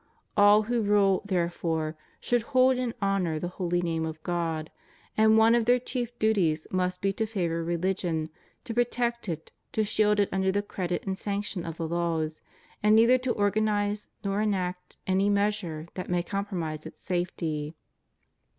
All who rule, therefore, should hold in honor the holy name of God, and one of their chief duties must be to favor religion, to protect it, to shield it under the credit and sanction of the laws, and neither to organize nor enact any measure that may compromise its safety.